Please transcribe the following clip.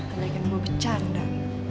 ada yang mau bercanda